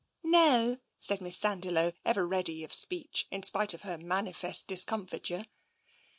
"" No," said Miss Sandiloe, ever ready of speech, in spite of her manifest discomfiture.